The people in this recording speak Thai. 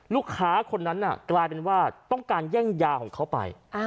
ลูกค้าคนนั้นกลายเป็นว่าต้องการแย่งยาของเขาไป